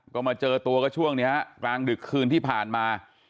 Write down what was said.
ก็มาเจอตัวก็ช่วงนี้ฮะกลางดึกคืนที่ผ่านมา